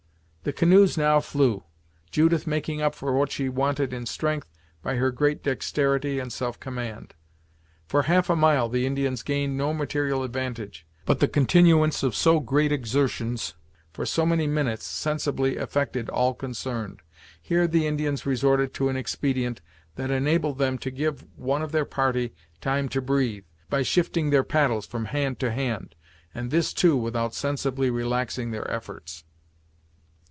The canoes now flew, Judith making up for what she wanted in strength by her great dexterity and self command. For half a mile the Indians gained no material advantage, but the continuance of so great exertions for so many minutes sensibly affected all concerned. Here the Indians resorted to an expedient that enabled them to give one of their party time to breathe, by shifting their paddles from hand to hand, and this too without sensibly relaxing their efforts.